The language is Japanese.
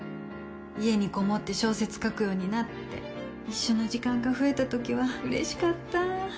家にこもって小説書くようになって一緒の時間が増えたときはうれしかった